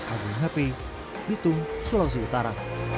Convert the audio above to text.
azim hapri bitung sulawesi utara